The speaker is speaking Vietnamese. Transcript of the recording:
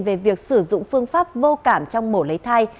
về việc sử dụng phương pháp vô cảm trong mổ lấy thai